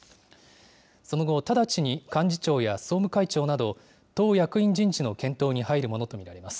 その後、直ちに幹事長や総務会長など、党役員人事の検討に入るものと見られます。